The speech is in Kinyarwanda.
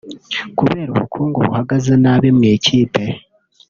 Kubera ubukungu buhagaze nabi mu ikipe